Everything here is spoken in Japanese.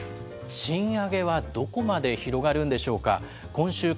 賃上げはどこまで広がるんでしょうか。